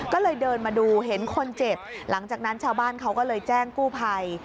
ก็เลยเดินมาดูเห็นคนเจ็บหลังจากนั้นชาวบ้านเขาก็เลยแจ้งกู้ภัย